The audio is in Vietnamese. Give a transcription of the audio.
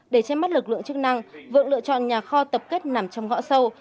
để che mắt lực lượng chức năng vượng lựa chọn nhà kho tập kết nằm trong ngõ sâu